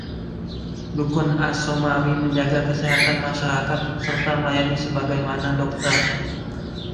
Dukun Achomawi menjaga kesehatan masyarakat, serta melayani sebagaimana dokter.